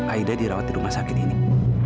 aku tak selalu long inten picking out